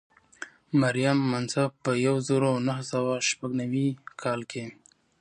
مریم منصف په یو زر او نهه سوه شپږ نوي کال کې.